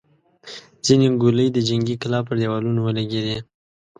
ځينې ګولۍ د جنګي کلا پر دېوالونو ولګېدې.